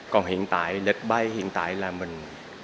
còn hiện tại lịch bay hiện tại là mình